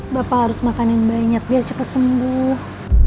bapak harus makan yang banyak biar cepat sembuh